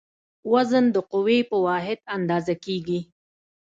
وزن د قوې په واحد اندازه کېږي.